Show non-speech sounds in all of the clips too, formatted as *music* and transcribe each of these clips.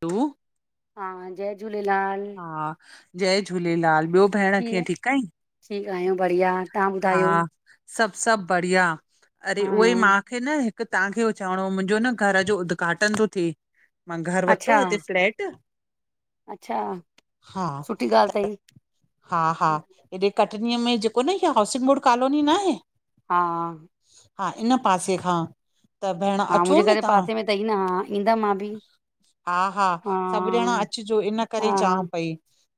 Two *unintelligible* हा जय झूलेलाल। हा जय झूलेलाल, ॿियो भेण कीअं ठीकु आईं? ठीकु आहियूं बढ़िया। तव्हां हा ॿुधायो सभु सभु बढ़िया, अरे हा उहोई मां खे न की तव्हांखे हू चवणो हो मुंहिंजो न घर जो उद्घाटन तो थे, मां घर वरितो आ, अच्छा हिते फ्लेट अच्छा सुठी ॻाल्हि तई हा हा हेॾे कटनीअ में जेको न हे हाउसिंग बोर्ड कॉलोनी नाहे, हा हा, इन पासे खां। त भेण हा अचो मुंजे घर न जे तव्हां पासे में तई न हा ईंदम मां बि। हा हा सभुॼणा अचजो, इन करे चवां हा पई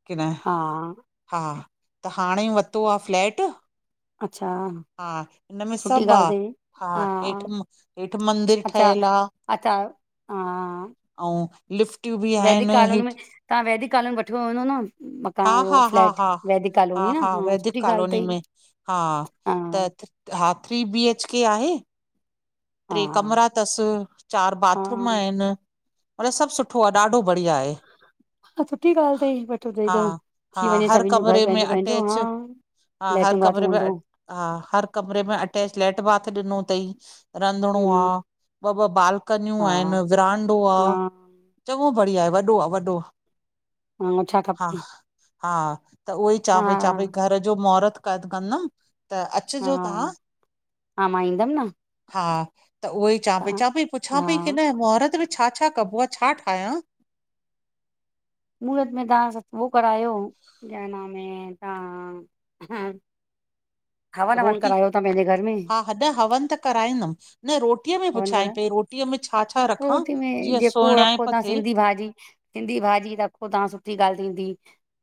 की न। हा। हा हा, त हाणे वत्तो आ फ्लैट। अच्छा। हा हिनमें सुठी सभ आ। ॻाल्हि अथई हा हेठ हेठ मंदिरु अच्छा ठयल आ। अच्छा हा आऊं लिफ्टियूं बि। वैदिक आहिनि कॉलोनी में हेठि तां वैदिक कालोनी वठियो हूंदो न हा मकान हा उहो हा फ्लैट। हा वैदिक कालोनी न हा, वैदिक सुठी ॻाल कॉलोनी तई। में हा त हा थ्री बीएचके आहे। ट्रेय हा कमरा थस्, चार बाथरूम हा आहिन। मतलब सब सुठो आ ॾाढो बढ़िया आहे। हा सुठी ॻाल् थई वठो तई हा त हा थी वञे हर सभिन जो घर कमरे में पंहिंजो पंहिंजो हा। अटैच हा हर लैट्रिन कमरे बाथरूम में हूंदो। अट- हा, हर कमरे में अटैच लैट बाथ ॾिनो तई। रंधिणो हम्म आ, ॿ ॿ बालकनियूं हा आहिन विरांडो आ। हा चंगो बढ़िया है वॾो आ वॾो आ छा हा खपे हा। त उहोई चां हा पई चां पई घर जो महुरत कद कंदा। हा, हा मां ईंदम् न। हा त उहो ई चाँ पई तव्हां चाँ पई पुछां पई की हा न मुहरत में छा छा कबो आ छा ठायां। मुहूरत में तां सत ओ करायो क्या नाम है तां। हवन ववन करायो ता पेंजे घर में। हॾ हवन त कराइंदम् न रोटी। तिअ मा हवन पुछाऐं कराए पई रोटीअ में छा छा रखां रोटी में जीअं जेको सुहिणाए रखो प तव्हां थे। सिंधी भाॼी। सिंधी भाॼी रखो तां सुठी गाल् थींदी।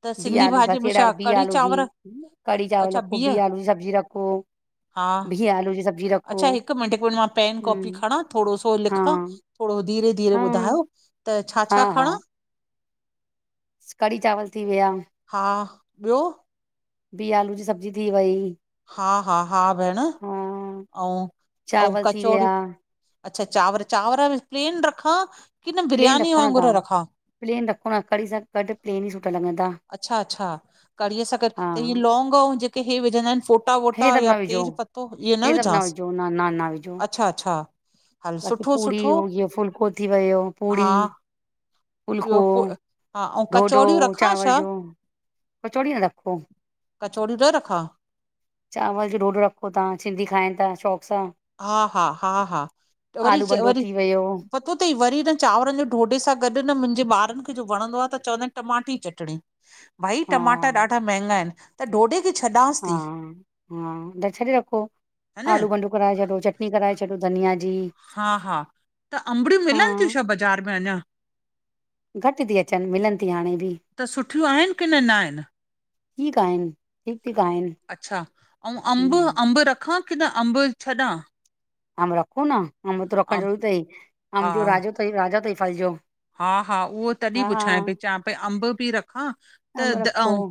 त बिअ सिंधी आलू, भाॼीअ में बसेदा छा बिअ कढ़ी आलू जी, चांवर हं न कढ़ी चावल अच्छा रखो, बिह बिअ आलू जी सब्जी रखो। बीअ आलू जी सब्जी रखो। हिक मिनंट ॻोला, पेन कॉपी हम्म खणा थोरो सो हा लिखां, थोरो धीरे धीरे हा ॿुधायो, त। छा, हा छा हा खणां। कढ़ी चांवल थी वया। हा, ॿियो। बिअ आलू जी सब्जी थी वई। हा, हा, हा बेहेण। हा ऊं चांवल थी विया कचोड़ियूं, अच्छा चांवर चांवर बि प्लेन रखां? किन प्लेन बिरयानी रखो न वांगुरु तव्हां रखा। प्लेन रखोन, कड़ी सां गॾु प्लेन ई सुठा लॻंदा। अच्छा, अच्छा कड़ीअ सां गॾ हा त हीअ लौंग औ जेके हे विझंदा आहिन फो। फोटा हे वोटा सभु या न विझो तेज पतो इअ न हे सभु विझांस। विझो न न न विझो अच्छा, अच्छा। हल बाक़ी सुठो पूड़ी सुठो हुजे फुल्को थी वियो, हा पूड़ी। ॿियो फुलको, पो हा अऊं डोडो। कचौड़ियूं रखां चावल छा जो, कचौड़ी न रखो। कचौड़ियूं न रखां चांवर जो डोडो रखो तां सिंधी खाइण त शौख सां। हा, हा, हा, हा, त वरी आलू बंडो वरी थी वियो पतो तई वरी न चांवरनि जो ॾोडे सां गॾु न मुंजे ॿारनि खे जो वणंदो आ त चवंदा आहिनि टमाटे जी चटणी। भाई हा टमाटा ॾाढा महंगा आहिनि त ॾोडे हा, हा त छडे रखो ह न आलू वालू कराए छॾो चटनी कराए छॾो धनिया जी। हा हा, त अंबड़ियूं हा मिलनि थियूं छा बाज़ार में अञा? घटि थी अचनि मिलनि थी हाणे बि त सुठियूं आहिनि किन नाहिनि ठीक आहिनि। ठीकु ठीकु आहिनि अच्छा, औं अम्ब हम्म अम्ब रखां कि न अम्ब छॾां? अम रखो न, अम त रखण अं- ज़रूर तई हा अम जो राजो तई राजा तई फल जो हा हा, उहो तॾीं हा पुछाए पई चवापई अंब बि रखां त आम द रखो आऊं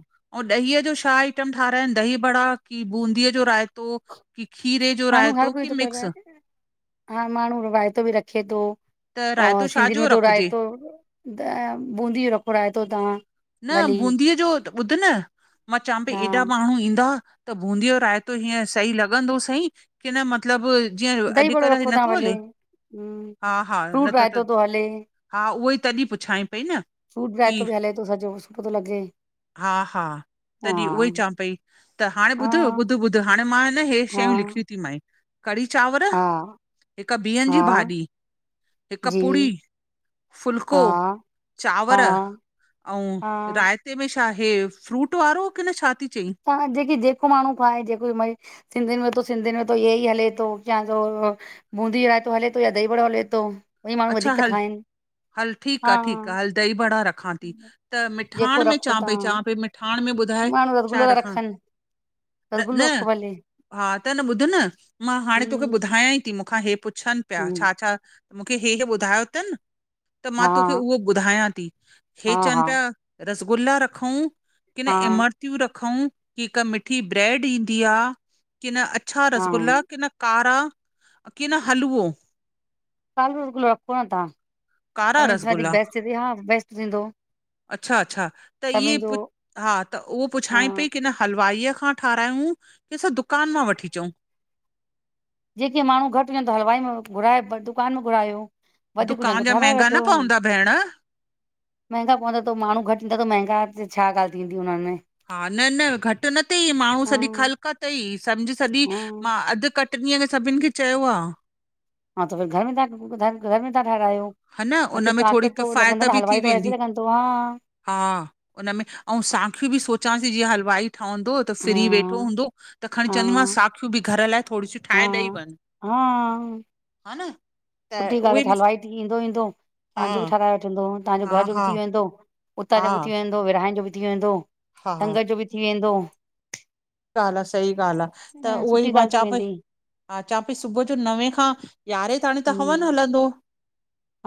ऊं ॾहीअ जो छा आइटम ठाराइनि दही बड़ा कि बूंदीअ जो रायतो? कि खीरे जो माण्हू हर रायतो कोई कि थो करे मिक्स? हा माण्हू रायतो बि रखे थो त अ रायतो सिंधियुनि छाजो में त रखिजे रायतो त बूंदी जो रखो रायतो तव्हां। न भली बूंदीअ जो, त ॿुध न मां चवां पई हा एॾा माण्हू ईंदा त बूंदीअ जो रायतो हीअं सही लॻंदो सई? की न मतलबु जीअं अॼुकल्ह हिअ नथो हले। हूं, हा हा न फ्रूट त त रायतो तो हले हा, उहोई तॾीं पुछांए पई न। की हथ बि हले तो सॼो सुठो थो लॻे। हा हा। हा तॾीं उहो ई चवां पेई त हाणे ॿुध हा ॿुध ॿुध हाणे मां न इहे हा शयूं लिखियूं थी मांए कढ़ी चांवर, हा हिक बिहनि हा जी भाॼी, हिकु जी पूड़ी हा फुल्को, हा चांवर, आऊं हा मीठे में छा हे फ्रूट वारो की न छा थी चईं? तवां जेकी जेको माण्हू खाए जेको मए सिंधिनि में त सिंधिनि में त इओ हि हले तो या ओ बूंदी रायतो हले थो या दही बड़ो हले थो ॿई माण्हू अच्छा वधीक ता हल खाइनि। हल ठीक हा आ, ठीकु आ, हल दही बड़ा रखां थी। त जेको मिठाण में रखो चवां पई तव्हां चवां पई मिठाण में ॿुधाए माण्हू छा रसगुला ता रखां रखनि। रसगुल्लो न रखो भले हा त न ॿुध न मां हाणे तोखे हम्म ॿुधायां ई की मूंखां हे पुछनि पिया हम्म छा छा मूंखे हे हे ॿुधायो तन। त मां हा तोखे उहो ॿुधायां थी हे हा चवनि हा पिया रसगुल्ला रखऊं। की न हा इमरतियूं रखऊं की हिक मिठी ब्रेड ईंदी आ की न अ अछा हा रसगुल्ला की न कारा की न हलवो कालो रसगुलो रखो न तां कारा आ म रसगुल्ला बेस्ट हा बेस्ट थींदो। अच्छा अच्छा त इहे सभिनि जो पु हा त उहो पुछाएं हा पई की न हलवाईअ खां ठारायूं की असां दुकान मां वठी अचऊं। जेके माण्हू घटि हुजनि त हलवाई में घुराए दुकान में घुरायो। वधीक हुजनि दुकान त जा ठाराए महांगा वठो। न पवंदा भेण? महांगा पवंदा त माण्हू घट ईंदा त महगा छा ॻाल्ह थींदी हुन में। हा न न घटि न तई माण्हू हा सॼी ख़लिक तई सम्झ सॼी हा मां अध कट हीअं त सभिनि खे चयो आ। हा त भ घर में था घर घर में था ठहिरायो। हा न उन अखेिर में त थोरी आखिर त किफ़ायत लॻंदा त बि थी हलवाई त वेंदी। वैसे लॻंदो हा। हा हुननम में ऐं सांखियूं बि सोचांस जीअं हलवाई - - ठहंदो त हा फ्री वेठो हूंदो त खणी हा चंदीम साखियूं बि घर लाइ थोरी - - हा हा - - ह न - - सुठी ॻाल्ह त हलवाई ईंदो ईंदो हा तव्हजो बि ठाराए वठंदो तव्हांजो हा घर जो बि हा थी वेंदो। उतां हा जो बि थी वेंदो विराइ जो बि थी वेंदो हा संगत जो बि थी वेंदो। सी ॻाल्ह आ सही ॻाल्ह आहे त न उहो ई सुठी मां ॻाल्हि थी चवां पई वेंदी - - हा चां पई सुबुह जो नवें खां यारहें ताणी त हवन हम्म हलंदो।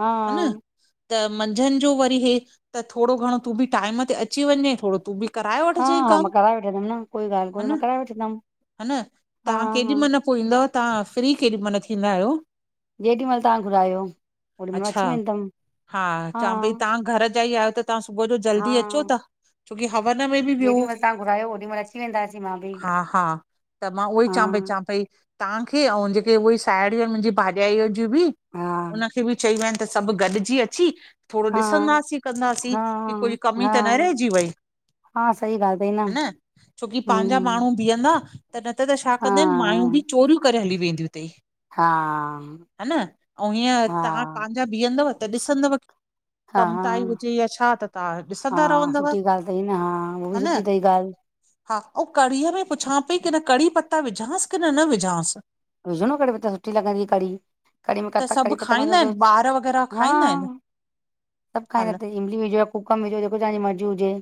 हा न - - त मंझंदि जो वरी इहे त थोरो घणो तू बि टाइम ते अची वञे थोरो तू बि - - कराए वठिजेइ कम। प वठ कोईाल - - ह न ह न हा तव्हां केॾी हा महिल - - पोइ ईंदव तव्हां फ्री केॾी महिल थींदा आहियो? जेॾीमहिल तव्हां घुरायो ओॾी महिल अच्छा अची वेंदम हा। चवां पई तव्हां घर जा ई आहियो त तव्हां सुबुह जो हा जल्दी अचो था छोकी हवन में बि विहो। र्रायोओॾ म - - वेंदासीं मां बि। हा हा त मां उहोई हा चव पई चवां पई। तव्हांखे ऐं जेके उहे ई साहेड़ियूं आहिन मुंहिंजी भाॼाईअ जूं बि हा उनखे बि चई वें - - त सभ गॾिजी अची - - थोरो हा ॾिसंदासीं कंदासीं हा की कोई कमी हा त न रहिजी वई - - हा सही ॻाल्हि अथई ह न छोकी - - पंहिंजा हम्म माण्हू बीहंदा त न त त छा हा कंदा आहिन माययूं बि चोरियूं करे हली वेंदियूं अथई। हा ह न ऐं हीअं तव्हां हा पंहिंजा बीहंदव त ॾिसंदव। कम हा ताईं हुजे या छा त तव्हां ॾिसंदा हा रहंदव सुठी ॻाल्हि अथई न उहा हा बि न? सुठी अथई ॻाल्हि हा ऐं कढ़ीअ में पुछां पई की न कढ़ी पत्ता विझांस की न न विझांस? विझो न कढी त सुठी लंदी कड़ी कढ़ी क त सभु कढी पत खाईंदा न - - ॿार वग़ैरह खाईंदा आहिन? सभु खाईंदाासीं इमली विझो कुकम विझो जेको तव्हांजी मर्ज़ी हुजे।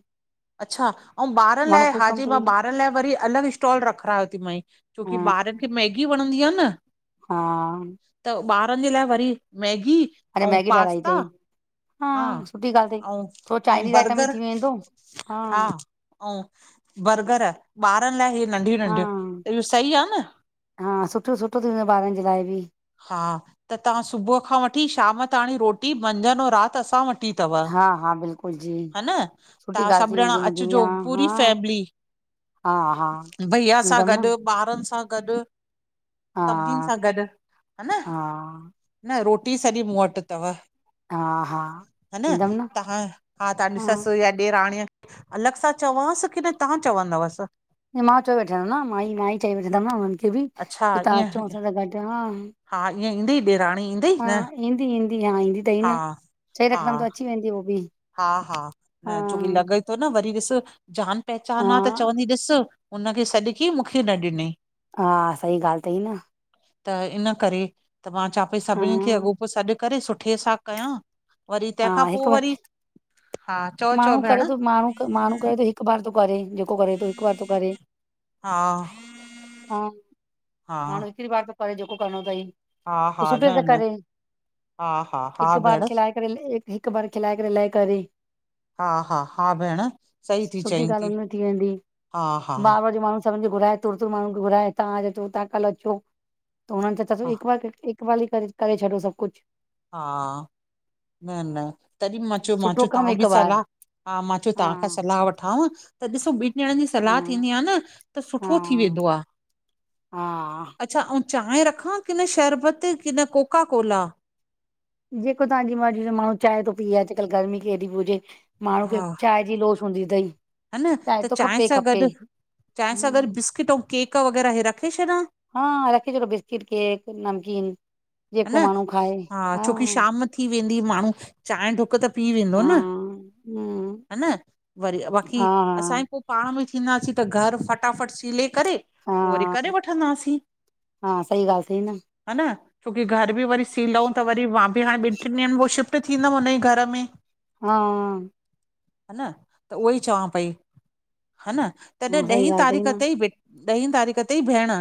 अच्छा ऐं ॿार माण्हू लाइ कूकम हाजी थो मां विझे ॿार लाइ वरी अलॻ स्टॉल रखारायोथ मांई। छोकी हा ॿारन खे मैगी वणंदी आहे न। हा - - त ॿारन जे लाइ वरी मैगी। अरे ऐं मैगी ठाराई पास्ता अथई हा सुठी ॻाल्हि अथई ऐं थोरो ऐं चाइनीज़ आइटम बि बर्गर। थी वेंदो हा ऐं बर्गर। ॿारन लाइ इहे नंढियूं हा नंढियूं त इहो सही आ न। हा सुठो सुठो थी हूं ॿारन जे लाइ बि। हा त तव्हां सुबुह खां वठी शाम ताणी रोटी मंझंद ऐं रात असां वट। अथ हा हा बिल्कुलु जी ह न सुठी तव्हां ॻाल्हि सभु थी ॼणा वेंदी मुंहिंजी बि अचिजो हा पूरी हा फैमिली। हा हा भईया सां ईंदमि न गॾु। ॿारन सां गॾु हा सभिनीन सां गॾु ह न। हा न रोटी सॼी मूं वट अथव। हा हा ह न तव्हां हा तव्हांजी ससु या ॾेराणीअ, अलॻि सां चवांस कीन तव्हां चवंदस? मां चयो वठंदम न माई माई चई वठंदम न हुनन खे बि अच्छा की तव्हां ईअं अचो असां सां गॾु हा। हा ईअं ईंदई ॾेराणी ईंदई हा न ईहंदी ईहंदी हा ईहंदी तई हा न। चही हा रखदम त अची वेंदी हो बि। हा हा हा न छोकी लॻे तो न वरी ॾिस जान पहचान आ त हा चवंद - - कि ॾिस हुनखे सॾ कयईं मूंखे न ॾिनई, ' हा सही ॻाल्ह तई न। त इन करे त मां चां पई हा सभिन खे अॻोपो सॾु करे सुठे सां कयां, वरी हा तंहिंखां पो हिकु बार वरी- - माण्हू करे तो माण्हू माण्हू करे तो हिक - - हिकु बार तो करेे जेको करेे तो हिकु बार तो करेे, हा हा। हा माण्हू हिकड़ी बार तो करे जेको करणो तई। हा त हा सुठे न सां न करेे, हा हा हा हिकु बार भेण खिलाए।। करे हिकु बार खिलाए करे लाइ करे। हा हा हा भेण। सही थी सुठी चईं ॻाल्ह हुनमें थी वेंदी, हा हा बार बार जे माण्हू - - सभिन खे घुराए तूर तुर माण्हू खे घुराए, तव्हां अॼु अचो तव्हां कल्ह अचो त हुनन खे सब हा हिक बार - - हिकुमहल ही करे करे छॾो सभु कुछ। हा न न - - तॾहिं मां चयो मां सुठो चयो कमु तव्हां हिक बि बार सलाह हा मां चयो हा तव्हां खां सलाहु वठांव त ॾिसो - - ॿिन ॾणन जी हा सलाह थींदी आ न त सुठो थी हा वेंदो आ, हा अच्छा अऊं चांहि रखां की न शरबत की न कोका कोला। जेको तव्हांजी मर्ज़ी हुजे माण्हू चांहि तो पीए अॼकल्ह गर्मी केॾी बि हुजे माण्हू खे चाय - - जी लोश हूंदी तही। हा न त चाहिं सां गॾु, चाहिं सां गॾु हम्म, बिस्किट ऐं केक वग़ैरह हे रखे छॾियां? हा रखे छॾो बिस्किट, केक नमकिन। हा न हा छोकी शाम थी वेंदी माण्हू चांहि डुक त पी वेंदो हा न। हम्म हा न वरी बाक़ी हा हा असांई पो पाण में थींदासीं त घरु फटाफट सीले करे पो वरी करे हा वठंदासीं। हा सही ॻाल्हि अथई न हा न छोकी घर बि वरी सीलऊं त वरी मां बि हाणे ॿिन टिन ॾींहंन में पो शिफ्ट थींदम हुन ई घर में। हा - - हा न त उहोई चवां पई हा न। तॾहिं हा सही ॾहीं ॻाल्हि अथई तारीख़ न तई ॾहीं तारीख़ तई भेण।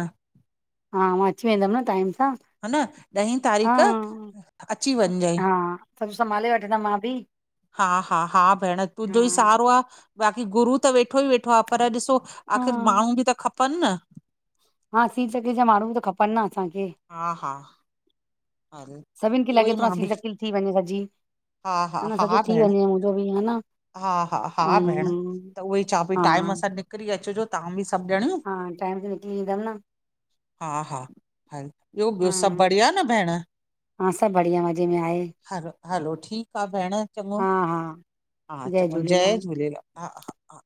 हा मां अची वेंदम न टाइम सां। न ॾहीं हा! तारीख़ अची वञिजांइ हा सब संभाले वठंदम मां बि। हा हा हा भेण हा तुंहिंजो ई सहारो आ, बाक़ी गुरू त वेठो ई वेठो आ, पर ॾिसो हा आख़िर माण्हू बि त खपन न।। हा सी चॻे जा माण्हू त खपन न असांखे। हा, हा। हल सभिनि खे उहो लॻे ई तो मां बि सील तकिल थी वञे सॼी। हा न सॼो थी वञे मुंहिंजो बि हा न। हा, हा, हा भेण ऐं त उहोई चवा पई हा टाइम सां निकिरी अचिजो तव्हां बि सभु ॼणियूं। हा, टाइम ते निकरी ईदम न। हा, हा ह ॿियो ॿियो हा सभु बढ़िया न भेण। हा सभु बढ़िया मज़े में आहे हैलो हैलो ठीकु आ भेण चङो हा हा हा चङो जय झूलेलाल हा, हा, हा।